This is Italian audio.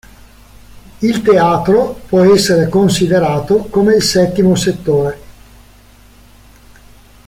Il teatro può essere considerato come il settimo settore.